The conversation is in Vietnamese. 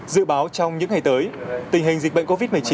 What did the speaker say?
dự báo trong những ngày tới tình hình dịch bệnh covid một mươi chín